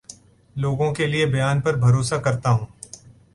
لوگوں کے بیان پر بھروسہ کرتا ہوں